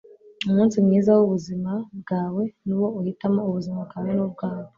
umunsi mwiza wubuzima bwawe nuwo uhitamo ubuzima bwawe nubwawe